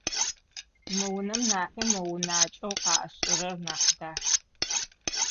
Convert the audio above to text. Мы унэм нахьи мо унакӏэу къашӏырэр нахь дах.